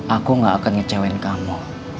aku gak akan ngecewain kamu